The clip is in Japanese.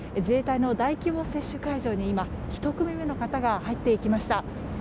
自衛隊の大規模接種会場に今、１組目の方が入っていきました。